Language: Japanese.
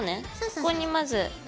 ここにまず。